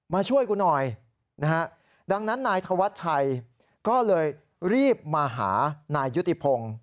ช่วยกูหน่อยนะฮะดังนั้นนายธวัชชัยก็เลยรีบมาหานายยุติพงศ์